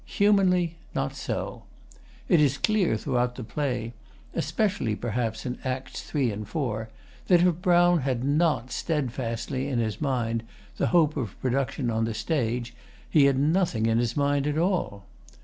Humanly, not so. It is clear throughout the play especially perhaps in Acts III and IV that if Brown had not steadfastly in his mind the hope of production on the stage, he had nothing in his mind at all.